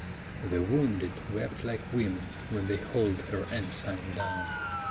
The wounded wept like women when they hauled her ensign down.